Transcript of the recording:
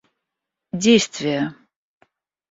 действия